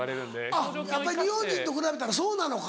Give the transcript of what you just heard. あっやっぱり日本人と比べたらそうなのか。